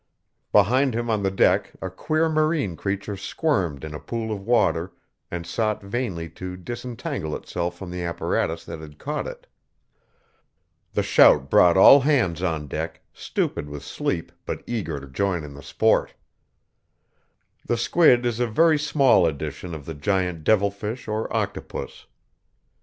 Behind him on the deck a queer marine creature squirmed in a pool of water and sought vainly to disentangle itself from the apparatus that had caught it. The shout brought all hands on deck, stupid with sleep, but eager to join in the sport. The squid is a very small edition of the giant devilfish or octopus.